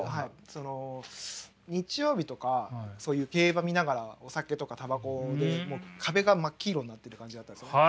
その日曜日とか競馬見ながらお酒とかタバコでもう壁が真っ黄色になってる感じだったんですよね。